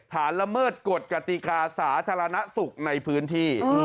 ฐานละเมิดกฎกติกาศาสตรนะสุขในพื้นที่